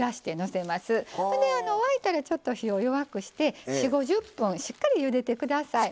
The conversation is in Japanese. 沸いたらちょっと火を弱くして４０５０分しっかりゆでて下さい。